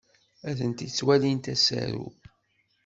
Atenti ttwalint asaru.